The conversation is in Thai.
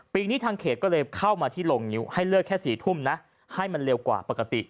ปีนี้ทางเขตก็เลยเข้ามาที่โรงนิ้วให้เลือกแค่๔ทุ่มนะให้มันเร็วกว่าปกติ